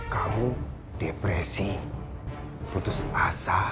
kamu depresi putus asa